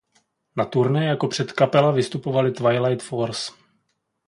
Na turné jako předkapela vystupovali Twilight Force.